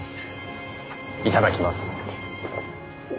いただきます。